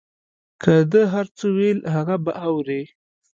که ده هر څه ویل هغه به اورې.